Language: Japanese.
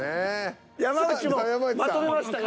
山内もまとめました。